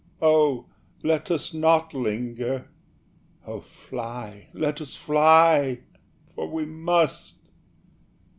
oh, let us not linger! Oh, fly! let us fly! for we must."